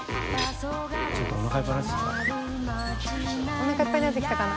おなかいっぱいになってきたかな？